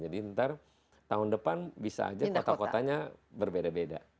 jadi ntar tahun depan bisa aja kota kotanya berbeda beda